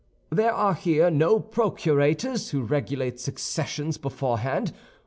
There are here no procurators who regulate successions beforehand.